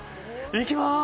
行きます。